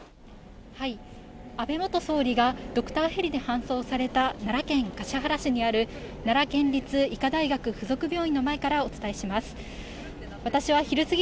安倍元総理がドクターヘリで搬送された奈良県橿原市にある奈良県立医科大学附属病院の前からお伝えします。